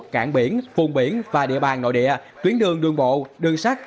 cảng biển vùng biển và địa bàn nội địa tuyến đường đường bộ đường sắt